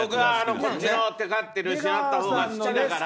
こっちのてかってるしなった方が好きだから。